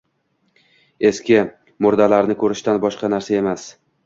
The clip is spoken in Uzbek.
Eski murdalarni ko’rishdan boshqa narsa emas…